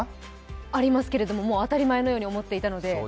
ありますけれども、もう当たり前のように思っていたので。